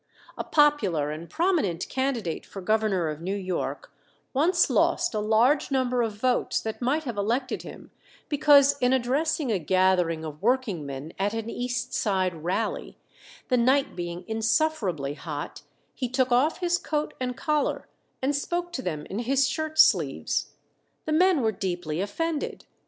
A popular and prominent candidate for Governor of New York once lost a large number of votes that might have elected him because in addressing a gathering of workingmen at an East Side rally, the night being insufferably hot, he took off his coat and collar, and spoke to them in his shirt sleeves. The men were deeply offended.